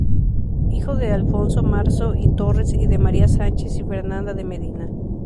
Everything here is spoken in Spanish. Hijo de Alfonso Marzo y Torres y de María Sanchez y Fernandez de Medina.